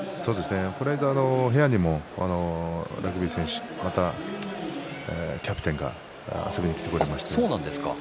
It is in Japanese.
部屋にもラグビー選手のキャプテンが遊びに来てくれました。